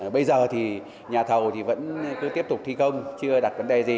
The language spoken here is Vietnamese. bây giờ thì nhà thầu thì vẫn cứ tiếp tục thi công chưa đặt vấn đề gì